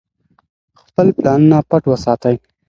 خپل پلانونه پټ وساتئ.